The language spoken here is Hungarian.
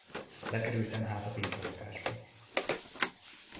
Lekerültem hát a pincelakásba.